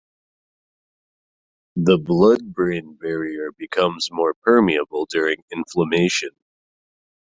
The blood-brain barrier becomes more permeable during inflammation.